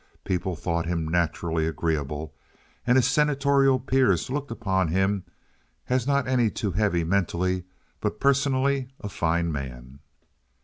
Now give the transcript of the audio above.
People thought him naturally agreeable, and his senatorial peers looked upon him as not any too heavy mentally, but personally a fine man.